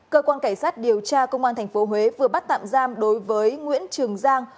cơ quan cảnh sát điều tra công an tp huế vừa bắt tạm giam đối với nguyễn trường giang